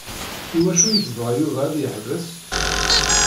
I wacu i yebɣa Yuba ad yeḥbes?